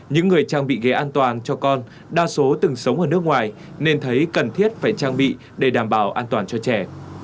những người trang bị ghế an toàn cho con đa số từng sống ở nước ngoài nên thấy cần thiết phải trang bị để đảm bảo an toàn cho trẻ